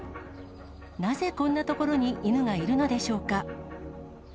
なぜ、こんな所に犬がいるのでしょうか。